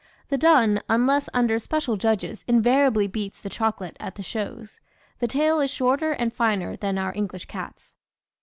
The dun, unless under special judges, invariably beats the chocolate at the shows. The tail is shorter and finer than our English cats.